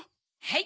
はい。